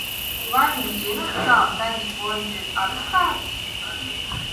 Vai viņš zina, ka Bens Horns ir arestēts?